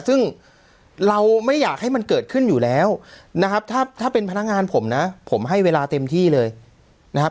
ซึ่งเราไม่อยากให้มันเกิดขึ้นอยู่แล้วนะครับถ้าเป็นพนักงานผมนะผมให้เวลาเต็มที่เลยนะครับ